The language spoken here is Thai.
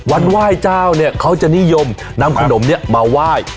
วันว่ายเจ้าเนี่ยเค้าจะนิยมนำขนมเนี่ยมาว่าย